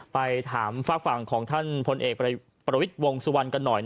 ไปถามฝากฝั่งของท่านพลเอกประวิทย์วงสุวรรณกันหน่อย